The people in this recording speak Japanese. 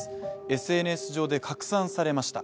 ＳＮＳ上で拡散されました。